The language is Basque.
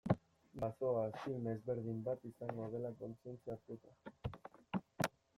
Bazoaz, film ezberdin bat izango dela kontzientzia hartuta.